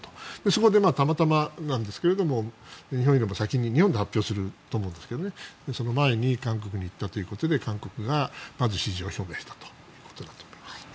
そこで、たまたまなんですが日本よりも先に日本で発表すると思うんですけどその前に韓国に行ったということで韓国がまず支持を表明したということだと思います。